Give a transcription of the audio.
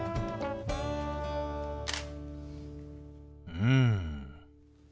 うん。